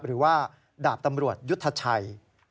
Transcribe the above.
หรือว่าดาบตำรวจยุทธชัย